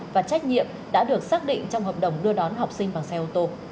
và trách nhiệm đã được xác định trong hợp đồng đưa đón học sinh bằng xe ô tô